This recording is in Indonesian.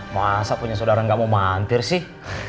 masa punya saudara gak mau mantir sih